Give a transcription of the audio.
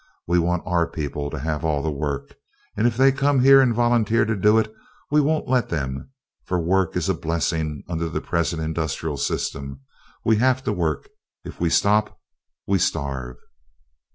We want our people to have all the work, and if they come here and volunteer to do it we won't let them; for work is a blessing under the present industrial system. We have to work. If we stop we starve.